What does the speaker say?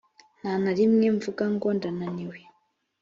nta na rimwe mvuga ngo ndananiwe